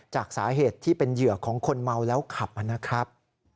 จากสาเหตุที่เป็นเหยื่อของคนเมาแล้วขับนะครับ